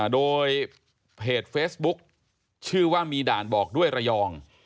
โดยเพจเฟซบุ๊คชื่อว่ามีด่านบอกด้วยระยอง